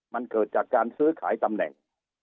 มันเกิดจากการซื้อขายตำแหน่ง